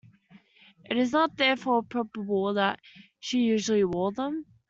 Is it not, therefore, probable that she usually wore them?